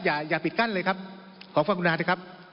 อย่าปิดกั้นเลยครับขอขอบคุณภาพด้วยครับ